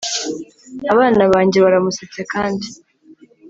abana banjye baramusetse kandi